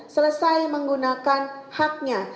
selesai menggunakan haknya